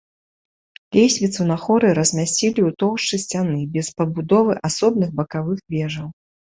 Лесвіцу на хоры размясцілі ў тоўшчы сцяны без пабудовы асобных бакавых вежаў.